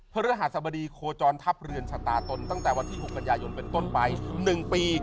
พระฤหัสบดีโคจรทัพเรือนชะตาตนตั้งแต่วันที่๖กันยายนเป็นต้นไป๑ปี